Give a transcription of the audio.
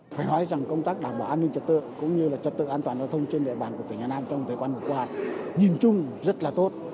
phải nói rằng công tác đảm bảo an ninh trật tự cũng như là trật tự an toàn giao thông trên địa bàn của tỉnh hà nam trong thời gian vừa qua nhìn chung rất là tốt